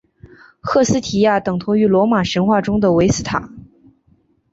赫斯提亚等同于罗马神话中的维斯塔。